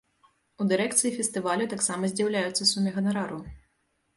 У дырэкцыі фестывалю таксама здзіўляюцца суме ганарару.